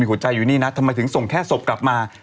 หัวใจอยู่นี่นะทำไมถึงส่งแค่ศพกลับมา